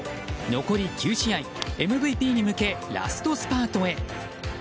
残り９試合、ＭＶＰに向けラストスパートへ。